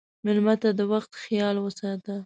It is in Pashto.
مېلمه ته د وخت خیال وساته.